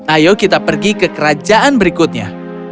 ayo kita pergi ke kerajaan berikutnya